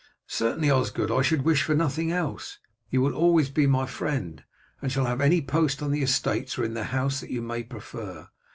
"Certainly, Osgod, I should wish for nothing else. You will always be my friend, and shall have any post on the estates or in the house that you may prefer.